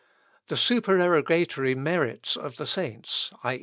The supererogatory merits of the saints, i.